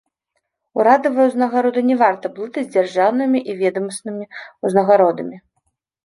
Урадавыя ўзнагароды не варта блытаць з дзяржаўнымі і ведамаснымі ўзнагародамі.